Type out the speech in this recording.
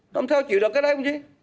không sao chịu được cái đấy không chí